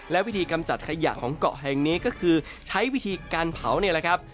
และวิธีกำจัดขยะของเกาะแห่งนี้ก็คือใช้วิธีการเผานี่แหละครับ